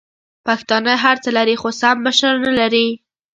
پښتانه هرڅه لري خو سم مشر نلري!